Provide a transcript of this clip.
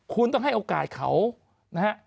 คุณต้องให้โอกาสเขานะฮะ